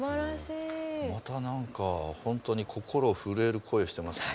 またなんかほんとに心震える声してますね。